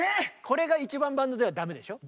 これが一番バンドではダメでしょ？